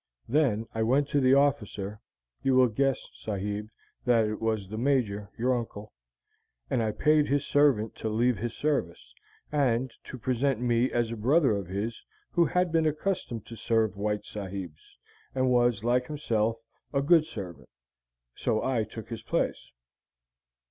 Then I went to the officer you will guess, sahib, that it was the Major, your uncle and I paid his servant to leave his service, and to present me as a brother of his who had been accustomed to serve white sahibs, and was, like himself, a good servant; so I took his place.